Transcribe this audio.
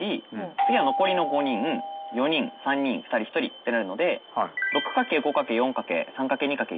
次は残りの５人４人３人２人１人ってなるので６×５×４×３×２×１通りですよね